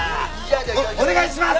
おお願いします！